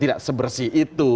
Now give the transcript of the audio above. tidak sebersih itu